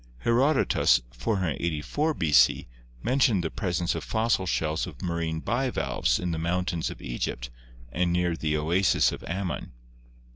Herodotus (484 b.c.) mentioned the presence of fossil shells of marine bivalves in the mountains of Egypt and. near the oasis of Ammon.